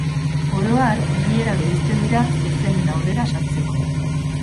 Oro har, bi era bereizten dira zezenen aurrera sartzeko.